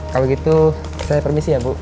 kalau gitu saya permisi ya bu